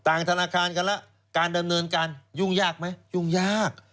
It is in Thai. ธนาคารกันแล้วการดำเนินการยุ่งยากไหมยุ่งยาก